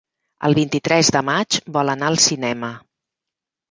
El vint-i-tres de maig vol anar al cinema.